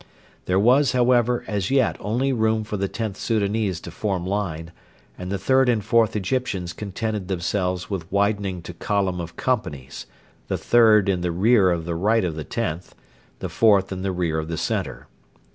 There was, however, as yet only room for the Xth Soudanese to form line, and the 3rd and 4th Egyptians contented themselves with widening to column of companies the 3rd in rear of the right of the Xth, the 4th in rear of the centre.